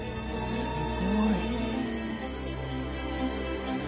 すごい。